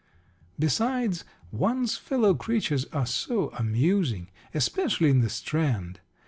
Besides, one's fellow creatures are so amusing: especially in the Strand.